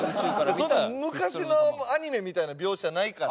そんな昔のアニメみたいな描写ないから。